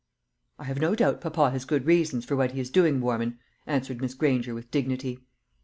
"I have no doubt papa has good reasons for what he is doing, Warman," answered Miss Granger, with dignity.